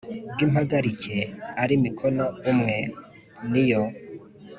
bw impagarike ari mukono umwe Ni yo